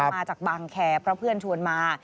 มาจากบางแคร์เพราะเพื่อนชวนมา